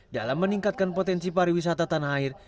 dalam meningkatkan potensi pariwisata tanah air